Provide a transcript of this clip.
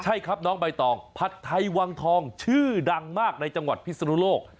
ใช่ครับน้องใบตองผัดไทยวังทองชื่อดังมากในจังหวัดพิศนุโลก